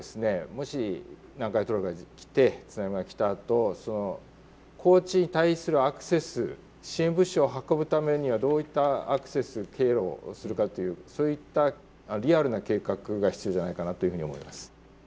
もし南海トラフが来て津波が来たあと高知に対するアクセス支援物資を運ぶためにはどういったアクセス経路をするかというそういったリアルな計画が必要じゃないかなというふうに思います。